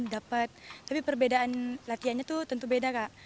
dapat tapi perbedaan latihannya tuh tentu beda kak